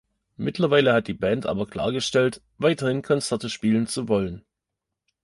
Mittlerweile hat die Band aber klargestellt, weiterhin Konzerte spielen zu wollen.